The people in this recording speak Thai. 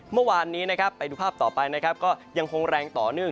เมื่อวานนี้นะครับไปดูภาพต่อไปนะครับก็ยังคงแรงต่อเนื่อง